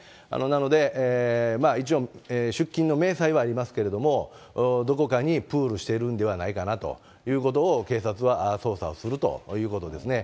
なので、一応、出金の明細はありますけども、どこかにプールしてるんではないかなということを警察は捜査をするということですね。